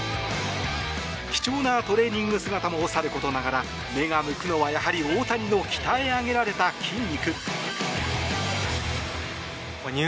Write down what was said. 貴重なトレーニング姿もさることながら目が向くのは、やはり大谷の鍛え上げられた筋肉。